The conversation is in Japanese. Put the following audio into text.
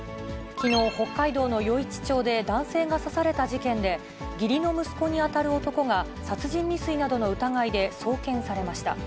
きのう、北海道の余市町で男性が刺された事件で、義理の息子に当たる男が、殺人未遂などの疑いで送検されました。